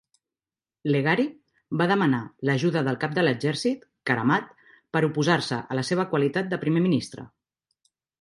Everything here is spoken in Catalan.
Leghari va demanar l'ajuda del cap de l'exèrcit, Karamat, per oposar-se a la seva qualitat de Primer Ministre.